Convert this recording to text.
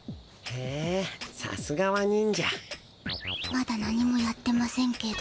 まだ何もやってませんけど。